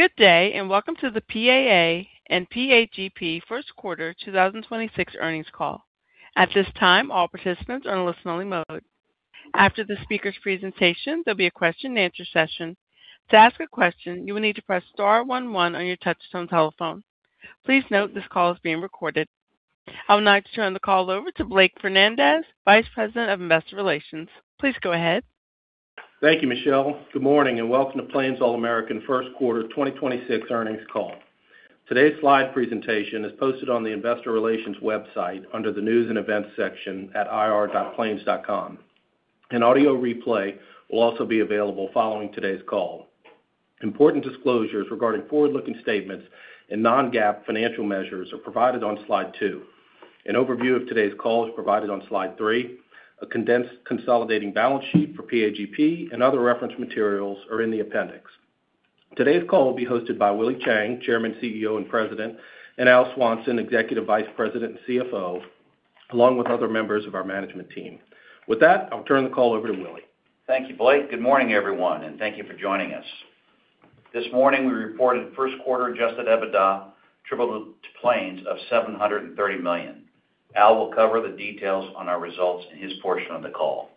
Good day, and welcome to the PAA and PAGP first quarter 2026 earnings call. At this time, all participants are in listen-only mode. After the speaker's presentation, there'll be a question-and-answer session. To ask a question, you will need to press star one one on your touchtone telephone. Please note this call is being recorded. I would now like to turn the call over to Blake Fernandez, Vice President of Investor Relations. Please go ahead. Thank you, Michelle. Good morning, and welcome to Plains All American 1st quarter 2026 earnings call. Today's slide presentation is posted on the investor relations website under the News and Events section at ir.plains.com. An audio replay will also be available following today's call. Important disclosures regarding forward-looking statements and non-GAAP financial measures are provided on slide two. An overview of today's call is provided on slide three. A condensed consolidating balance sheet for PAGP and other reference materials are in the appendix. Today's call will be hosted by Willie Chiang, Chairman, CEO, and President, and Al Swanson, Executive Vice President and CFO, along with other members of our management team. With that, I'll turn the call over to Willie. Thank you, Blake. Good morning, everyone, and thank you for joining us. This morning, we reported first quarter adjusted EBITDA attributable to Plains of $730 million. Al will cover the details on our results in his portion of the call.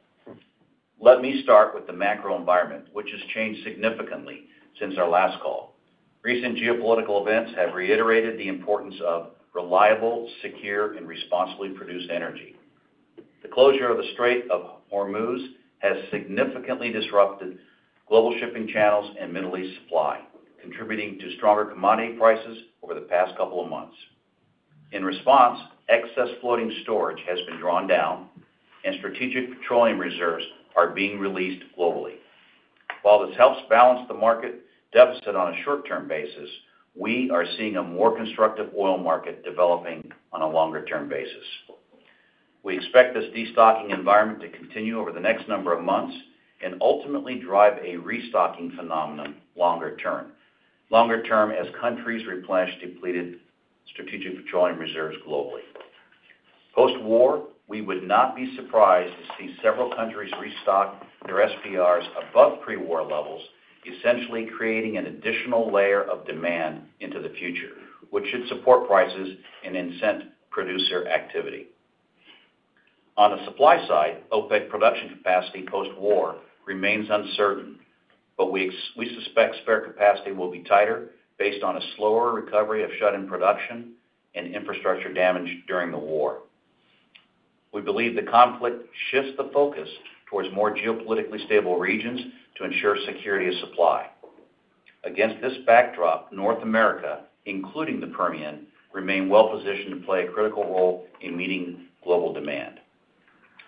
Let me start with the macro environment, which has changed significantly since our last call. Recent geopolitical events have reiterated the importance of reliable, secure, and responsibly produced energy. The closure of the Strait of Hormuz has significantly disrupted global shipping channels and Middle East supply, contributing to stronger commodity prices over the past couple of months. In response, excess floating storage has been drawn down and strategic petroleum reserves are being released globally. While this helps balance the market deficit on a short-term basis, we are seeing a more constructive oil market developing on a longer-term basis. We expect this destocking environment to continue over the next number of months and ultimately drive a restocking phenomenon longer term. Longer term, as countries replenish depleted Strategic Petroleum Reserves globally. Post-war, we would not be surprised to see several countries restock their SPRs above pre-war levels, essentially creating an additional layer of demand into the future, which should support prices and incent producer activity. On the supply side, OPEC production capacity post-war remains uncertain, but we suspect spare capacity will be tighter based on a slower recovery of shut-in production and infrastructure damage during the war. We believe the conflict shifts the focus towards more geopolitically stable regions to ensure security of supply. Against this backdrop, North America, including the Permian, remain well positioned to play a critical role in meeting global demand.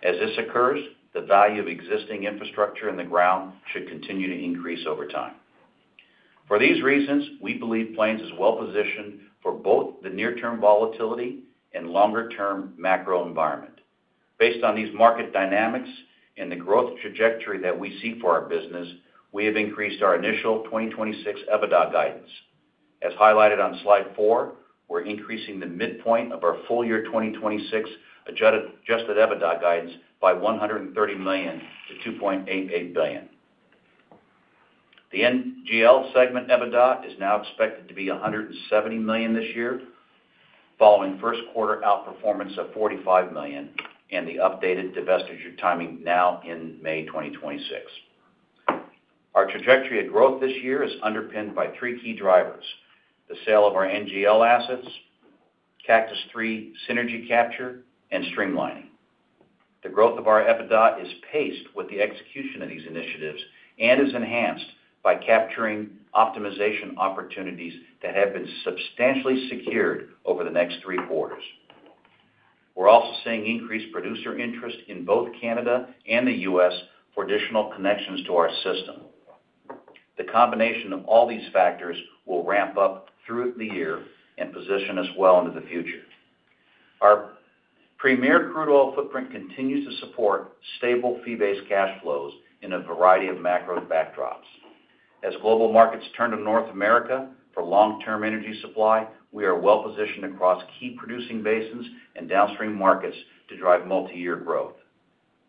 As this occurs, the value of existing infrastructure in the ground should continue to increase over time. For these reasons, we believe Plains is well positioned for both the near-term volatility and longer-term macro environment. Based on these market dynamics and the growth trajectory that we see for our business, we have increased our initial 2026 EBITDA guidance. As highlighted on slide four, we're increasing the midpoint of our full-year 2026 adjusted EBITDA guidance by $130 million to $2.88 billion. The NGL segment EBITDA is now expected to be $170 million this year, following first quarter outperformance of $45 million and the updated divestiture timing now in May 2026. Our trajectory of growth this year is underpinned by three key drivers: the sale of our NGL assets, Cactus III synergy capture, and streamlining. The growth of our EBITDA is paced with the execution of these initiatives and is enhanced by capturing optimization opportunities that have been substantially secured over the next three quarters. We're also seeing increased producer interest in both Canada and the U.S. for additional connections to our system. The combination of all these factors will ramp up through the year and position us well into the future. Our premier crude oil footprint continues to support stable fee-based cash flows in a variety of macro backdrops. As global markets turn to North America for long-term energy supply, we are well-positioned across key producing basins and downstream markets to drive multi-year growth.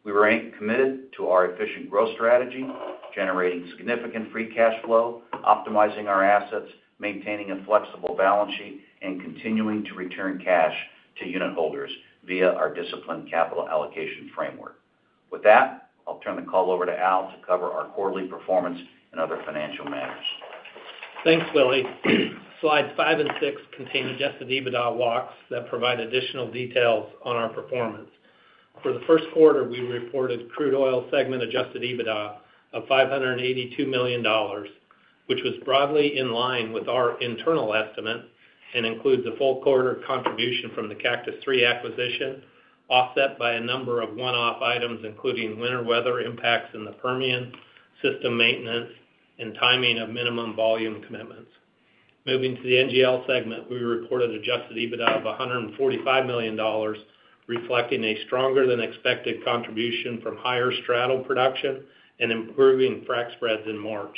We remain committed to our efficient growth strategy, generating significant free cash flow, optimizing our assets, maintaining a flexible balance sheet, and continuing to return cash to unit holders via our disciplined capital allocation framework. With that, I'll turn the call over to Al to cover our quarterly performance and other financial matters. Thanks, Willie. Slides five and six contain adjusted EBITDA walks that provide additional details on our performance. For the first quarter, we reported crude oil segment adjusted EBITDA of $582 million, which was broadly in line with our internal estimate and includes a full quarter contribution from the Cactus III acquisition, offset by a number of one-off items, including winter weather impacts in the Permian, system maintenance, and timing of minimum volume commitments. Moving to the NGL segment, we reported adjusted EBITDA of $145 million, reflecting a stronger than expected contribution from higher straddle production and improving frac spreads in March.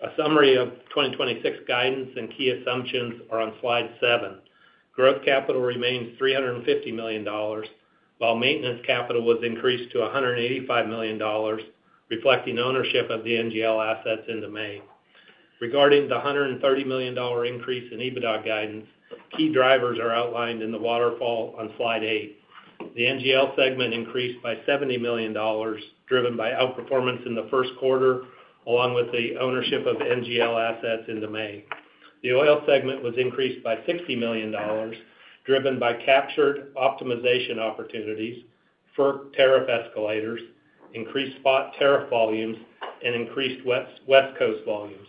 A summary of 2026 guidance and key assumptions are on slide seven. Growth capital remains $350 million, while maintenance capital was increased to $185 million, reflecting ownership of the NGL assets into May. Regarding the $130 million increase in EBITDA guidance, key drivers are outlined in the waterfall on slide eight. The NGL segment increased by $70 million, driven by outperformance in the first quarter, along with the ownership of NGL assets into May. The oil segment was increased by $60 million, driven by captured optimization opportunities, FERC tariff escalators, increased spot tariff volumes, and increased West Coast volumes.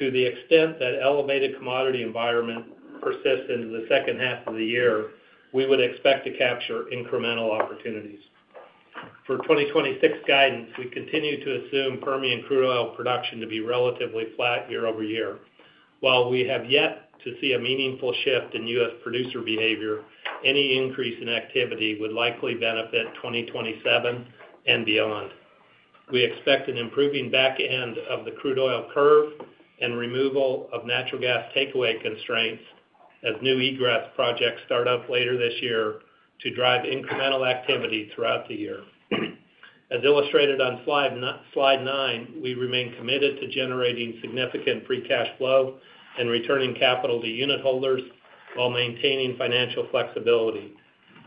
To the extent that elevated commodity environment persists into the second half of the year, we would expect to capture incremental opportunities. For 2026 guidance, we continue to assume Permian crude oil production to be relatively flat year-over-year. While we have yet to see a meaningful shift in U.S. producer behavior, any increase in activity would likely benefit 2027 and beyond. We expect an improving back end of the crude oil curve and removal of natural gas takeaway constraints as new egress projects start up later this year to drive incremental activity throughout the year. As illustrated on slide nine, we remain committed to generating significant free cash flow and returning capital to unit holders while maintaining financial flexibility.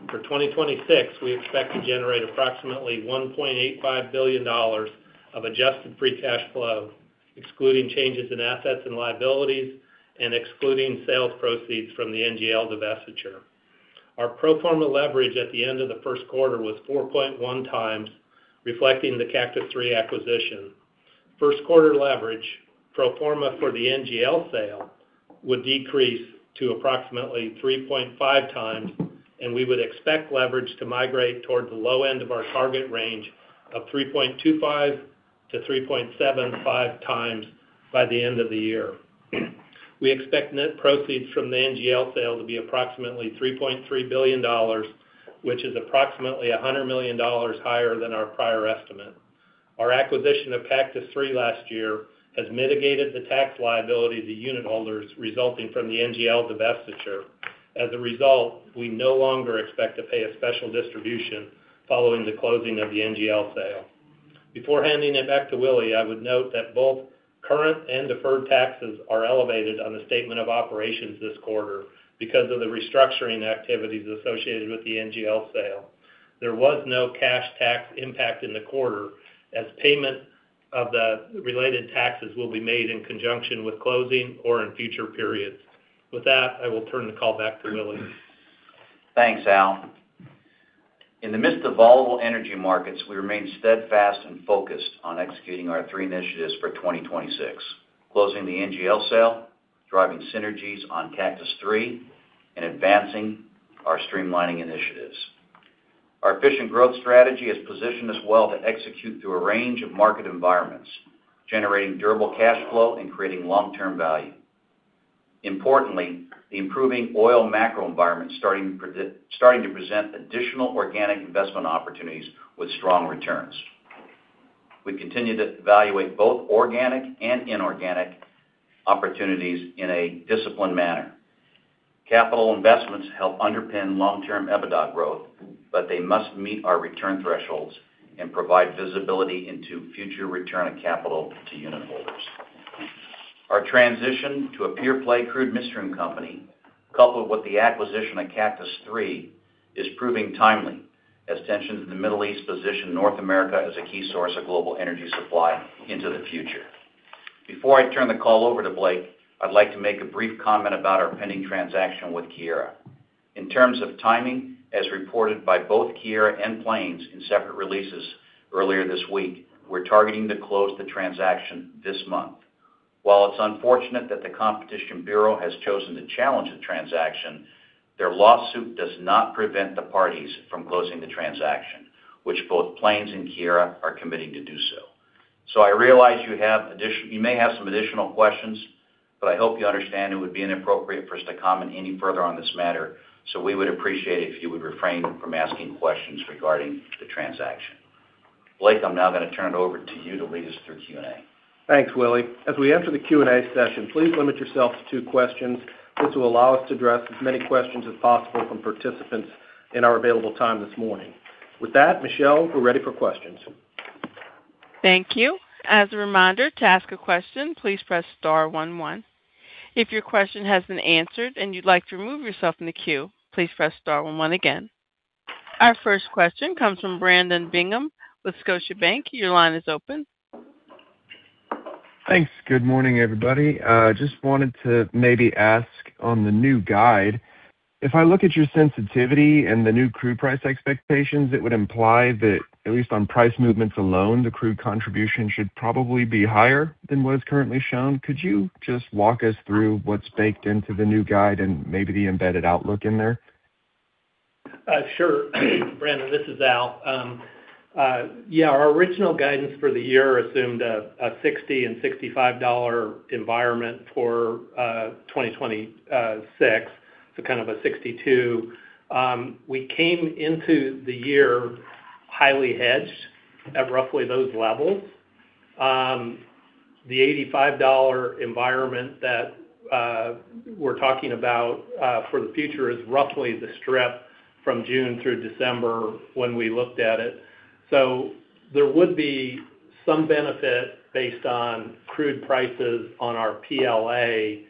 For 2026, we expect to generate approximately $1.85 billion of adjusted free cash flow, excluding changes in assets and liabilities and excluding sales proceeds from the NGL divestiture. Our pro forma leverage at the end of the first quarter was 4.1 times, reflecting the Cactus III acquisition. First quarter leverage, pro forma for the NGL sale would decrease to approximately 3.5 times. We would expect leverage to migrate towards the low end of our target range of 3.25-3.75 times by the end of the year. We expect net proceeds from the NGL sale to be approximately $3.3 billion, which is approximately $100 million higher than our prior estimate. Our acquisition of Cactus III last year has mitigated the tax liability to unit holders resulting from the NGL divestiture. As a result, we no longer expect to pay a special distribution following the closing of the NGL sale. Before handing it back to Willie, I would note that both current and deferred taxes are elevated on the statement of operations this quarter because of the restructuring activities associated with the NGL sale. There was no cash tax impact in the quarter, as payment of the related taxes will be made in conjunction with closing or in future periods. With that, I will turn the call back to Willie. Thanks, Al. In the midst of volatile energy markets, we remain steadfast and focused on executing our three initiatives for 2026: closing the NGL sale, driving synergies on Cactus III, and advancing our streamlining initiatives. Our efficient growth strategy has positioned us well to execute through a range of market environments, generating durable cash flow and creating long-term value. Importantly, the improving oil macro environment starting to present additional organic investment opportunities with strong returns. We continue to evaluate both organic and inorganic opportunities in a disciplined manner. Capital investments help underpin long-term EBITDA growth, but they must meet our return thresholds and provide visibility into future return of capital to unit holders. Our transition to a pure-play crude midstream company, coupled with the acquisition of Cactus III, is proving timely as tensions in the Middle East position North America as a key source of global energy supply into the future. Before I turn the call over to Blake, I'd like to make a brief comment about our pending transaction with Keyera. In terms of timing, as reported by both Keyera and Plains in separate releases earlier this week, we're targeting to close the transaction this month. While it's unfortunate that the Competition Bureau has chosen to challenge the transaction, their lawsuit does not prevent the parties from closing the transaction, which both Plains and Keyera are committing to do so. I realize you may have some additional questions, but I hope you understand it would be inappropriate for us to comment any further on this matter, so we would appreciate it if you would refrain from asking questions regarding the transaction. Blake, I'm now gonna turn it over to you to lead us through Q&A. Thanks, Willie. As we enter the Q&A session, please limit yourself to two questions. This will allow us to address as many questions as possible from participants in our available time this morning. With that, Michelle, we're ready for questions. Thank you. As a reminder, to ask a question, please press star one one. If your question has been answered and you'd like to remove yourself from the queue, please press star one one again. Our first question comes from Brandon Bingham with Scotiabank. Your line is open. Thanks. Good morning, everybody. Just wanted to maybe ask on the new guide. If I look at your sensitivity and the new crude price expectations, it would imply that at least on price movements alone, the crude contribution should probably be higher than what is currently shown. Could you just walk us through what's baked into the new guide and maybe the embedded outlook in there? Sure. Brandon, this is Al. Our original guidance for the year assumed a $60-$65 environment for 2026, so kind of a $62. We came into the year highly hedged at roughly those levels. The $85 environment that we're talking about for the future is roughly the strip from June through December when we looked at it. There would be some benefit based on crude prices on our PLA,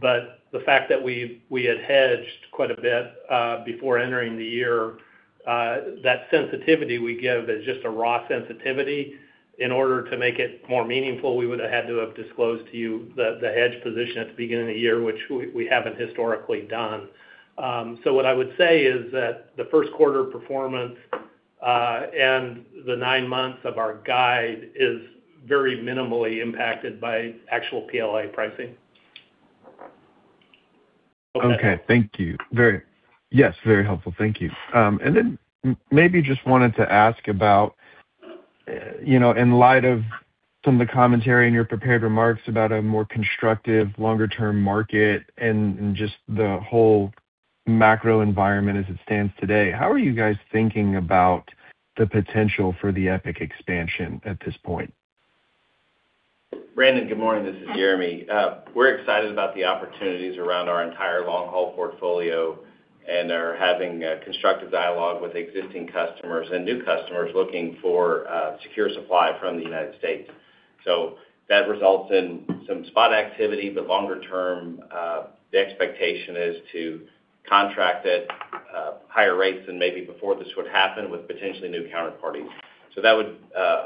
but the fact that we had hedged quite a bit before entering the year, that sensitivity we give is just a raw sensitivity. In order to make it more meaningful, we would have had to have disclosed to you the hedge position at the beginning of the year, which we haven't historically done. What I would say is that the first quarter performance and the nine months of our guide is very minimally impacted by actual PLA pricing. Okay. Thank you. Very Yes, very helpful. Thank you. Maybe just wanted to ask about, you know, in light of some of the commentary in your prepared remarks about a more constructive longer-term market and just the whole macro environment as it stands today, how are you guys thinking about the potential for the EPIC expansion at this point? Brandon, good morning. This is Jeremy. We're excited about the opportunities around our entire long-haul portfolio and are having a constructive dialogue with existing customers and new customers looking for secure supply from the U.S. That results in some spot activity, but longer term, the expectation is to contract at higher rates than maybe before this would happen with potentially new counterparties. That would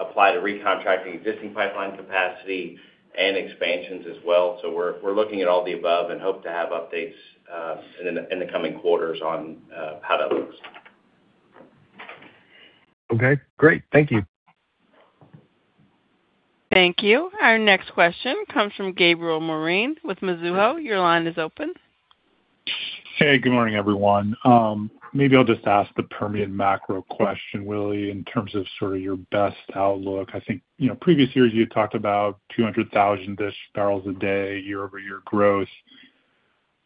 apply to re-contracting existing pipeline capacity and expansions as well. We're looking at all the above and hope to have updates in the coming quarters on how that looks. Okay, great. Thank you. Thank you. Our next question comes from Gabriel Moreen with Mizuho. Your line is open. Hey, good morning, everyone. Maybe I'll just ask the Permian macro question, Willie, in terms of sort of your best outlook. I think, you know, previous years you had talked about 200,000-ish barrels a day, year-over-year growth.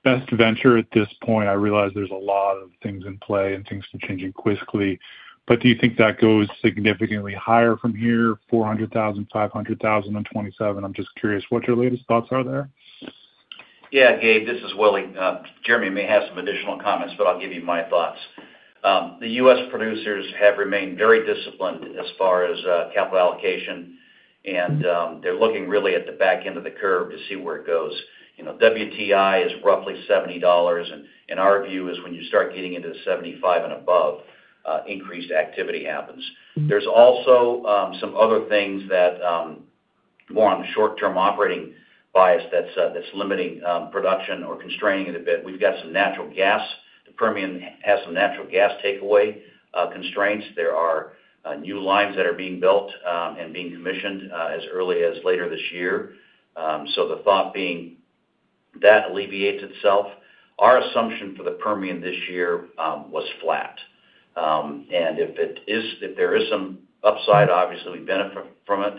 Best venture at this point, I realize there's a lot of things in play and things are changing quickly, but do you think that goes significantly higher from here, 400,000, 500,000 in 2027? I'm just curious what your latest thoughts are there. Gabe, this is Willie. Jeremy may have some additional comments, but I'll give you my thoughts. They're looking really at the back end of the curve to see where it goes. You know, WTI is roughly $70, and our view is when you start getting into the 75 and above, increased activity happens. There's also some other things that more on the short-term operating bias that's that's limiting production or constraining it a bit. We've got some natural gas. The Permian has some natural gas takeaway constraints. There are new lines that are being built and being commissioned as early as later this year. The thought being that alleviates itself. Our assumption for the Permian this year was flat. If there is some upside, obviously, we benefit from it.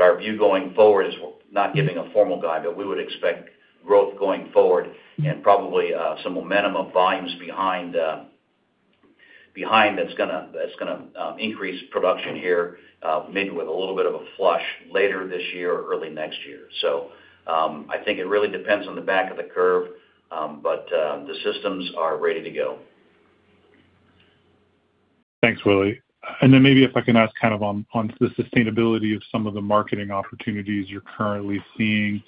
Our view going forward is we're not giving a formal guide, but we would expect growth going forward and probably some momentum of volumes behind that's gonna increase production here, maybe with a little bit of a flush later this year or early next year. I think it really depends on the back of the curve, the systems are ready to go. Thanks, Willie. Maybe if I can ask on the sustainability of some of the marketing opportunities you're currently seeing.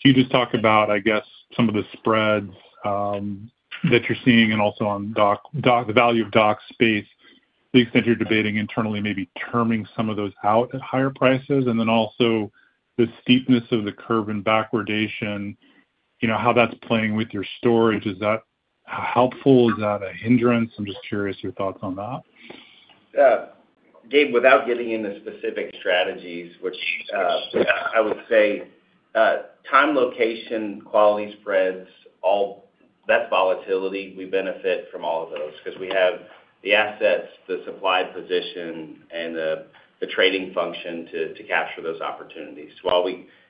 Can you just talk about some of the spreads that you're seeing and also on the value of dock space, the extent you're debating internally, maybe terming some of those out at higher prices? Also the steepness of the curve and backwardation, you know, how that's playing with your storage. Is that helpful? Is that a hindrance? I'm just curious your thoughts on that. Gabe, without getting into specific strategies, which, I would say, time, location, quality spreads, all that volatility, we benefit from all of those 'cause we have the assets, the supply position, and the trading function to capture those opportunities.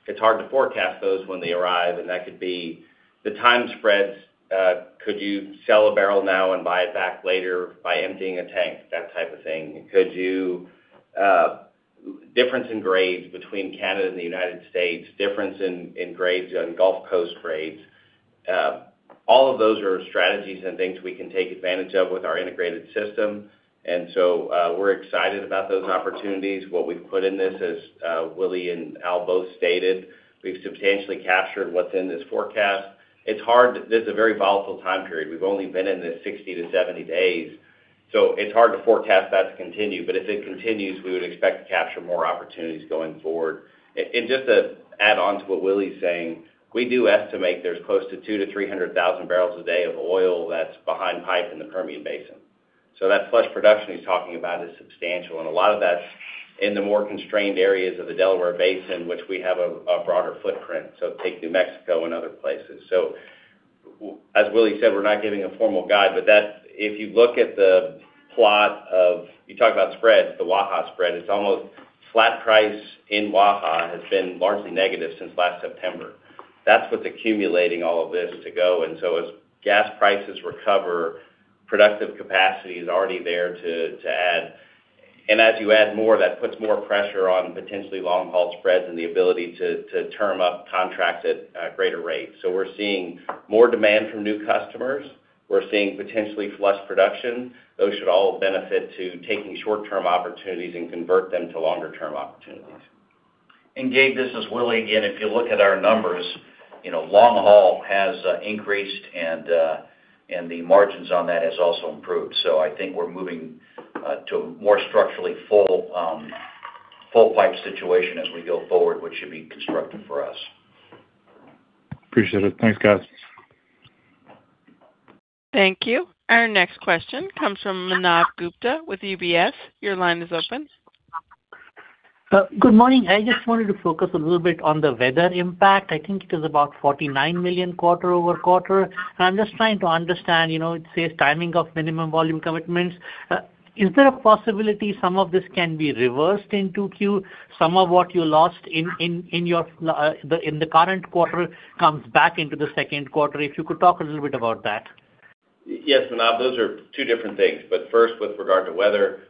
It's hard to forecast those when they arrive, and that could be the time spreads. Could you sell a barrel now and buy it back later by emptying a tank? That type of thing. Could you, difference in grades between Canada and the United States, difference in grades on Gulf Coast grades. All of those are strategies and things we can take advantage of with our integrated system. We're excited about those opportunities. What we've put in this, as, Willie and Al both stated, we've substantially captured what's in this forecast. It's hard. This is a very volatile time period. We've only been in this 60 to 70 days, so it's hard to forecast that to continue. If it continues, we would expect to capture more opportunities going forward. Just to add on to what Willie's saying, we do estimate there's close to 200,000 to 300,000 barrels a day of oil that's behind pipe in the Permian Basin. That flush production he's talking about is substantial, and a lot of that's in the more constrained areas of the Delaware Basin, which we have a broader footprint, so take New Mexico and other places. As Willie said, we're not giving a formal guide. If you look at the plot of spreads, the Waha spread. It's almost flat price in Waha has been largely negative since last September. That's what's accumulating all of this to go. As gas prices recover, productive capacity is already there to add. As you add more, that puts more pressure on potentially long-haul spreads and the ability to term up contracts at a greater rate. We're seeing more demand from new customers. We're seeing potentially flush production. Those should all benefit to taking short-term opportunities and convert them to longer-term opportunities. Gabe, this is Willie again. If you look at our numbers, you know, long haul has increased and the margins on that has also improved. I think we're moving to a more structurally full pipe situation as we go forward, which should be constructive for us. Appreciate it. Thanks, guys. Thank you. Our next question comes from Manav Gupta with UBS. Your line is open. Good morning. I just wanted to focus a little bit on the weather impact. I think it is about $49 million quarter-over-quarter. I'm just trying to understand, you know, it says timing of minimum volume commitments. Is there a possibility some of this can be reversed in 2Q, some of what you lost in the current quarter comes back into the second quarter? If you could talk a little bit about that. Yes, Manav. Those are two different things. First, with regard to weather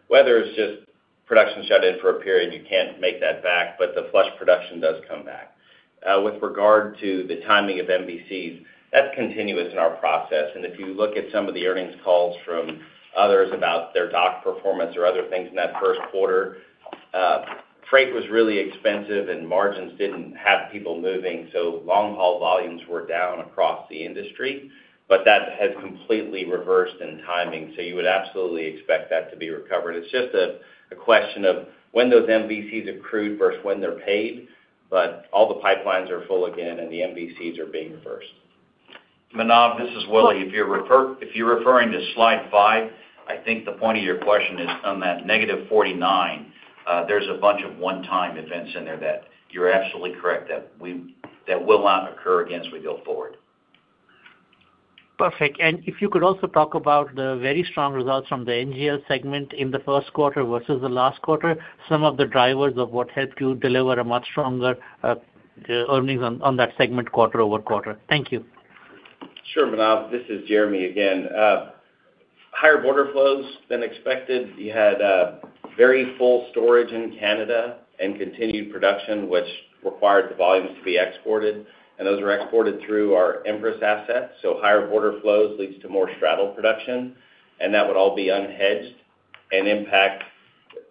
is just production shut-in for a period. You can't make that back, but the flush production does come back. With regard to the timing of MVCs, that's continuous in our process. If you look at some of the earnings calls from others about their dock performance or other things in that first quarter, freight was really expensive and margins didn't have people moving, so long-haul volumes were down across the industry. That has completely reversed in timing, so you would absolutely expect that to be recovered. It's just a question of when those MVCs accrued versus when they're paid, but all the pipelines are full again and the MVCs are being reversed. Manav, this is Willie. If you're referring to slide five, I think the point of your question is on that negative $49, there's a bunch of one-time events in there that you're absolutely correct that will not occur again as we go forward. Perfect. If you could also talk about the very strong results from the NGL segment in the first quarter versus the last quarter, some of the drivers of what helped you deliver a much stronger earnings on that segment quarter-over-quarter. Thank you. Sure, Manav. This is Jeremy again. Higher border flows than expected. You had very full storage in Canada and continued production, which required the volumes to be exported, and those were exported through our Empress asset. Higher border flows leads to more straddle production, and that would all be unhedged.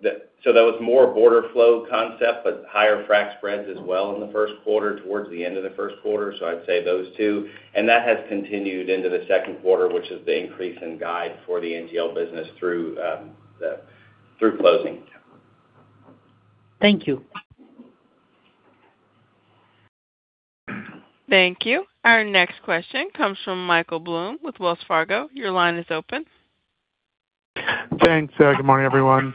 That was more border flow concept, but higher frac spreads as well in the first quarter, towards the end of the first quarter. I'd say those two. That has continued into the second quarter, which is the increase in guide for the NGL business through closing. Thank you. Thank you. Our next question comes from Michael Blum with Wells Fargo. Your line is open. Thanks. Good morning, everyone.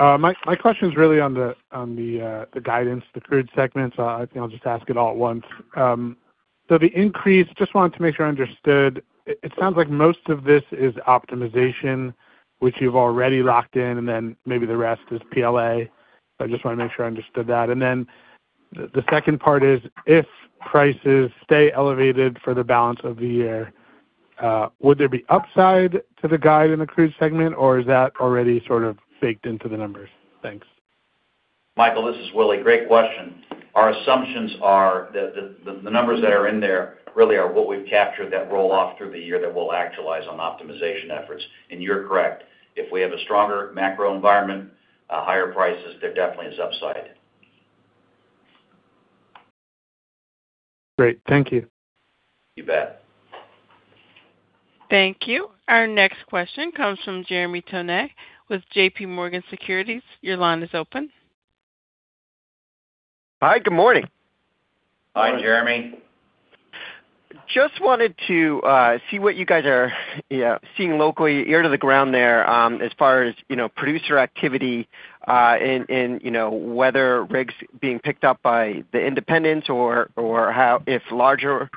My question is really on the guidance, the crude segment. I think I'll just ask it all at once. The increase, just wanted to make sure I understood. It sounds like most of this is optimization, which you've already locked in, and then maybe the rest is PLA. I just wanna make sure I understood that. The second part is if prices stay elevated for the balance of the year, would there be upside to the guide in the crude segment, or is that already sort of baked into the numbers? Thanks. Michael, this is Willie. Great question. Our assumptions are that the numbers that are in there really are what we've captured that roll off through the year that we'll actualize on optimization efforts. You're correct. If we have a stronger macro environment, higher prices, there definitely is upside. Great. Thank you. You bet. Thank you. Our next question comes from Jeremy Tonet with JPMorgan Securities. Your line is open. Hi, good morning. Hi, Jeremy. Just wanted to see what you guys are seeing locally, ear to the ground there, as far as, you know, producer activity, and, you know, whether rigs being picked up by the independents or, if larger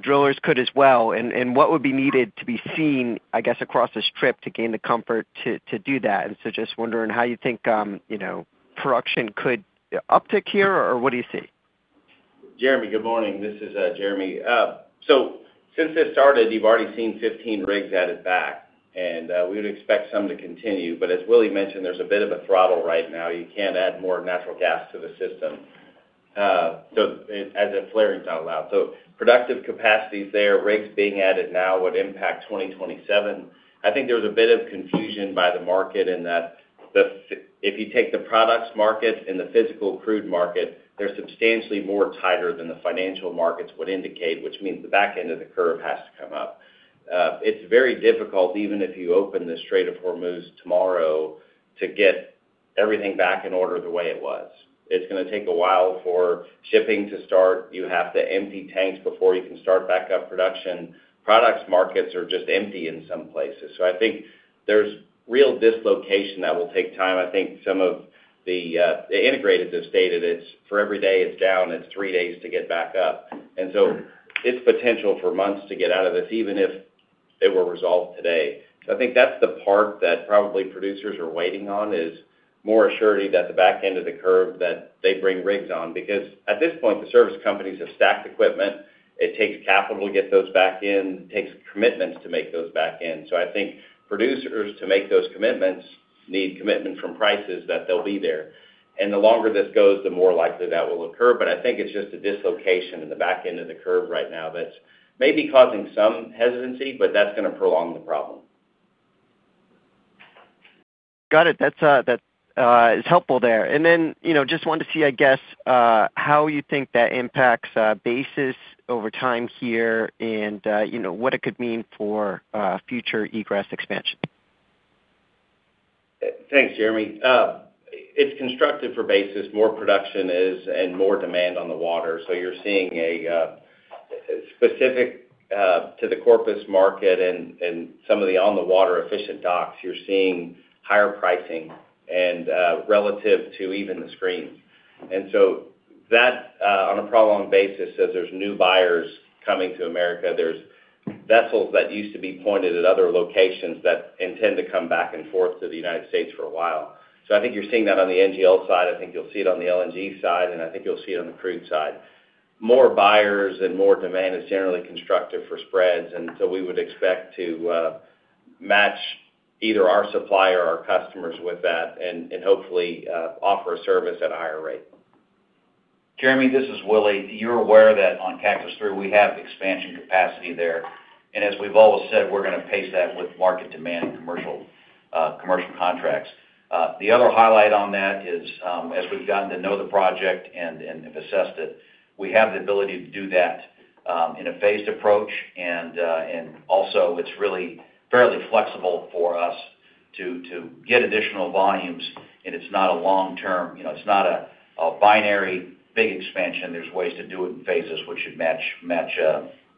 drillers could as well, and what would be needed to be seen, I guess, across this strip to gain the comfort to do that. Just wondering how you think, you know, production could uptick here or what do you see? Jeremy, good morning. This is Jeremy. Since this started, you've already seen 15 rigs added back, and we would expect some to continue. As Willie mentioned, there's a bit of a throttle right now. You can't add more natural gas to the system, as flaring's not allowed. Productive capacity is there. Rigs being added now would impact 2027. I think there was a bit of confusion by the market in that if you take the products market and the physical crude market, they're substantially more tighter than the financial markets would indicate, which means the back end of the curve has to come up. It's very difficult, even if you open the Strait of Hormuz tomorrow, to get everything back in order the way it was. It's gonna take a while for shipping to start. You have to empty tanks before you can start back up production. Products markets are just empty in some places. I think there's real dislocation that will take time. I think some of the integrated have stated it's for every day it's down, it's three days to get back up. It's potential for months to get out of this, even if they were resolved today. I think that's the part that probably producers are waiting on, is more assurity that the back end of the curve that they bring rigs on. Because at this point, the service companies have stacked equipment. It takes capital to get those back in. It takes commitments to make those back in. I think producers, to make those commitments, need commitment from prices that they'll be there. The longer this goes, the more likely that will occur. I think it's just a dislocation in the back end of the curve right now that's maybe causing some hesitancy, but that's gonna prolong the problem. Got it. That's, that is helpful there. Then, you know, just wanted to see, I guess, how you think that impacts basis over time here and, you know, what it could mean for future egress expansion. Thanks, Jeremy. It's constructive for basis. More production is and more demand on the water. You're seeing a specific to the Corpus market and some of the on-the-water efficient docks. You're seeing higher pricing and relative to even the screens. That on a prolonged basis, as there's new buyers coming to America, there's vessels that used to be pointed at other locations that intend to come back and forth to the United States for a while. I think you're seeing that on the NGL side. I think you'll see it on the LNG side, and I think you'll see it on the crude side. More buyers and more demand is generally constructive for spreads. We would expect to match either our supplier or our customers with that and hopefully, offer a service at a higher rate. Jeremy, this is Willie. You're aware that on Cactus III, we have expansion capacity there. As we've always said, we're gonna pace that with market demand and commercial commercial contracts. The other highlight on that is, as we've gotten to know the project and have assessed it, we have the ability to do that in a phased approach. Also, it's really fairly flexible for us to get additional volumes, and it's not a long-term, you know, it's not a binary big expansion. There's ways to do it in phases which should match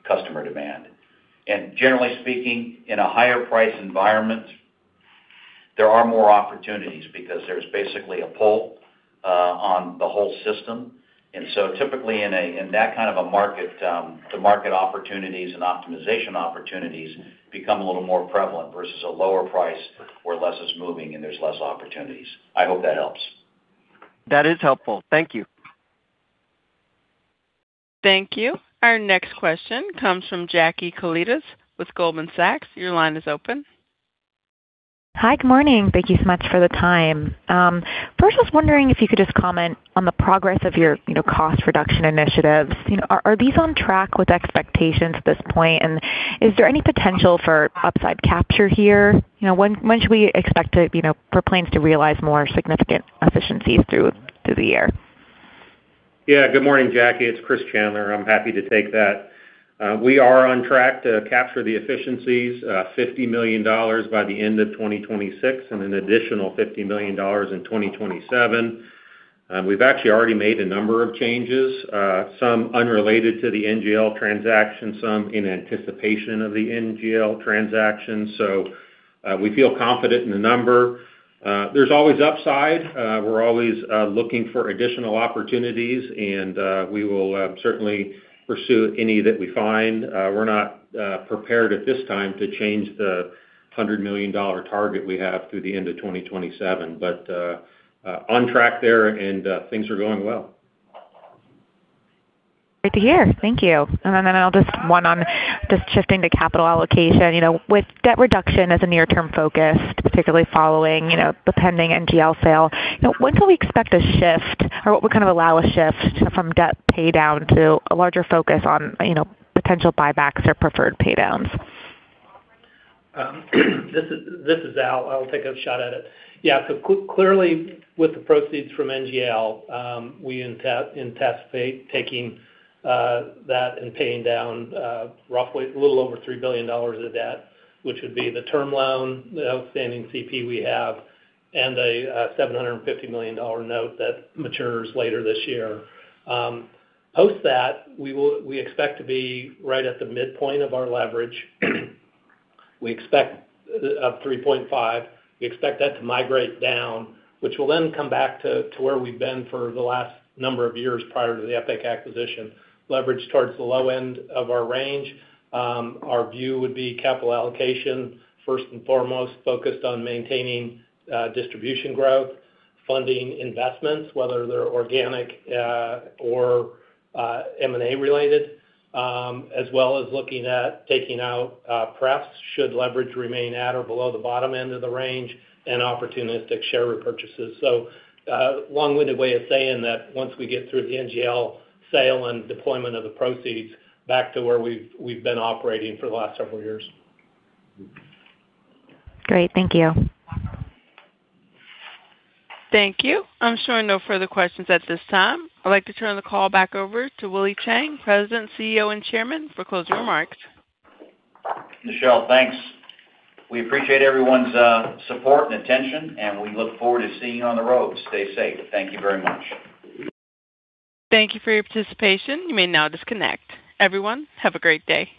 customer demand. Generally speaking, in a higher price environment, there are more opportunities because there's basically a pull on the whole system. Typically in that kind of a market, the market opportunities and optimization opportunities become a little more prevalent versus a lower price where less is moving and there's less opportunities. I hope that helps. That is helpful. Thank you. Thank you. Our next question comes from Jackie Koletas with Goldman Sachs. Your line is open. Hi, good morning. Thank you so much for the time. First, I was wondering if you could just comment on the progress of your, you know, cost reduction initiatives. You know, are these on track with expectations at this point? Is there any potential for upside capture here? You know, when should we expect to, you know, for Plains to realize more significant efficiencies through the year? Good morning, Jackie. It's Chris Chandler. I'm happy to take that. We are on track to capture the efficiencies, $50 million by the end of 2026 and an additional $50 million in 2027. We've actually already made a number of changes, some unrelated to the NGL transaction, some in anticipation of the NGL transaction. We feel confident in the number. There's always upside. We're always looking for additional opportunities, we will certainly pursue any that we find. We're not prepared at this time to change the $100 million target we have through the end of 2027. On track there and things are going well. Great to hear. Thank you. I'll just one on shifting to capital allocation. You know, with debt reduction as a near-term focus, particularly following, you know, the pending NGL sale, you know, when can we expect a shift or what would kind of allow a shift from debt paydown to a larger focus on, you know, potential buybacks or preferred paydowns? This is Al. I'll take a shot at it. Clearly, with the proceeds from NGL, we anticipate taking that and paying down roughly a little over $3 billion of debt, which would be the term loan, the outstanding CP we have, and a $750 million note that matures later this year. Post that, we expect to be right at the midpoint of our leverage. We expect 3.5. We expect that to migrate down, which will then come back to where we've been for the last number of years prior to the EPIC acquisition, leverage towards the low end of our range. Our view would be capital allocation, first and foremost, focused on maintaining distribution growth, funding investments, whether they're organic or M&A-related, as well as looking at taking out pref should leverage remain at or below the bottom end of the range and opportunistic share repurchases. Long-winded way of saying that once we get through the NGL sale and deployment of the proceeds back to where we've been operating for the last several years. Great. Thank you. Thank you. I'm showing no further questions at this time. I'd like to turn the call back over to Willie Chiang, President, CEO, and Chairman, for closing remarks. Michelle, thanks. We appreciate everyone's support and attention. We look forward to seeing you on the road. Stay safe. Thank you very much. Thank you for your participation. You may now disconnect. Everyone, have a great day.